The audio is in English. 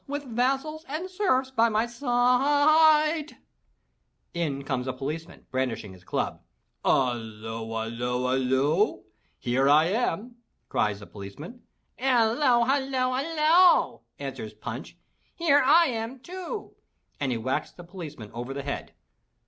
With vassals and serfs by my si hi hide.'* In comes a policeman brandishing his club. "Hollo! Hollo! Hollo! Here I am!" cries the policeman. "Hollo! Hollo! Hollo!" answers Punch. "Here I am too!" and he whacks the policeman over the head!